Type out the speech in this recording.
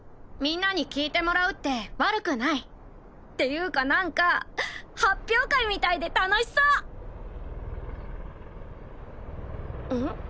みんなに聞いてもらうって悪くないっていうか何か発表会みたいで楽しそううん？